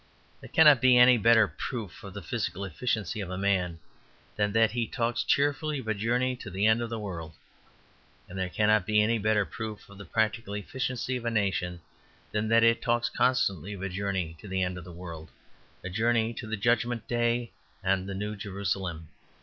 There cannot be any better proof of the physical efficiency of a man than that he talks cheerfully of a journey to the end of the world. And there cannot be any better proof of the practical efficiency of a nation than that it talks constantly of a journey to the end of the world, a journey to the Judgment Day and the New Jerusalem.